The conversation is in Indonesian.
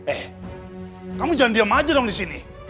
eh kamu jangan diam aja dong disini